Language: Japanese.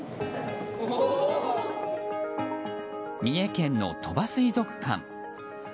三重県の鳥羽水族館。